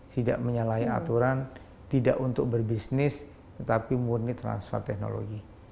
tidak menyalahi aturan tidak untuk berbisnis tetapi murni transfer teknologi